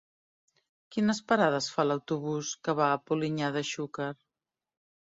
Quines parades fa l'autobús que va a Polinyà de Xúquer?